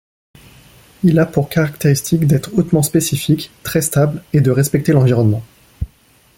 Il a pour caractéristique d’être hautement spécifique, très stable et de respecter l’environnement.